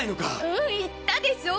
うんいったでしょ